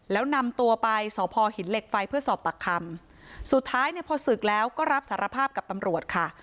แล้วนำตัวไปสพหินเหล็กไฟเพื่อสอบปากคำสุดท้ายเนี่ยพอศึกแล้วก็รับสารภาพกับตำรวจค่ะ